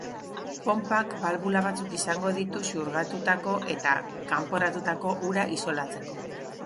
Ponpak balbula batzuk izango ditu xurgatutako eta kanporatutako ura isolatzeko.